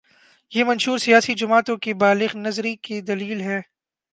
یہ منشور سیاسی جماعتوں کی بالغ نظری کی دلیل تھے۔